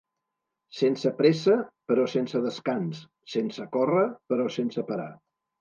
Sense pressa, però sense descans, sense córrer, però sense parar.